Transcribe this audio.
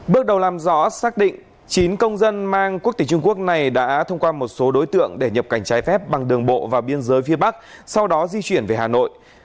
bước đầu làm rõ xác định chín công dân mang quốc tịch trung quốc này đã thông qua một số đối tượng để nhập cảnh trái phép bằng đường bộ vào biên giới phía bắc sau đó di chuyển về hà nội